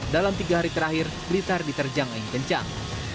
dalam tiga hari terakhir blitar diterjang angin kencang